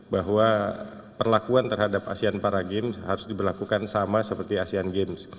bahwa perlakuan terhadap asean para games harus diberlakukan sama seperti asean games